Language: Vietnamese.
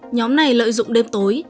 nhóm này lợi dụng đêm tối